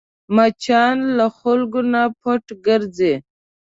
مچان له خلکو نه پټ ګرځي